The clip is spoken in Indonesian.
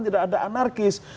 tidak ada anarkis